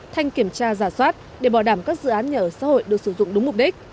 thanh kiểm tra giả soát để bảo đảm các dự án nhà ở xã hội được sử dụng đúng mục đích